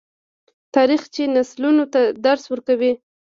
تاریخ چې نسلونو ته درس ورکوي.